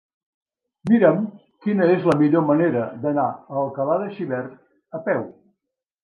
Mira'm quina és la millor manera d'anar a Alcalà de Xivert a peu.